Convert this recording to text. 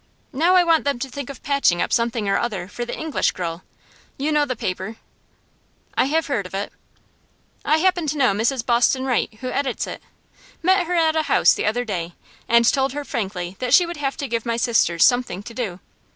Now I want them to think of patching up something or other for The English Girl; you know the paper?' 'I have heard of it.' 'I happen to know Mrs Boston Wright, who edits it. Met her at a house the other day, and told her frankly that she would have to give my sisters something to do.